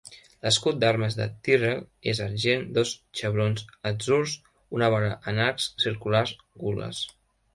L'escut d'armes de Tyrrell és argent, dos xebrons atzurs, una vora en arcs circulars gules.